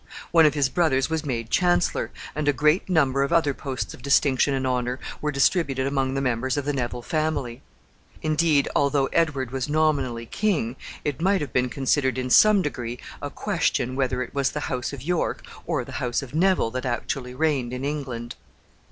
One of his brothers was made chancellor, and a great number of other posts of distinction and honor were distributed among the members of the Neville family. Indeed, although Edward was nominally king, it might have been considered in some degree a question whether it was the house of York or the house of Neville that actually reigned in England.